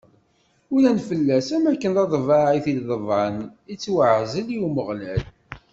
Uran fell-as am akken d aḍbaɛ i t-ḍebɛen: Ittwaɛzel i Umeɣlal.